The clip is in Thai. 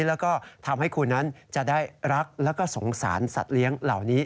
แล้วก็ทำให้คุณนั้นจะได้รักแล้วก็สงสารสัตว์เลี้ยงเหล่านี้